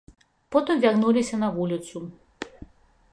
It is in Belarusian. Потым вярнуліся на вуліцу.